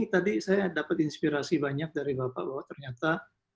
tadi saya dapat inspirasi banyak dari bapak bahwa ternyata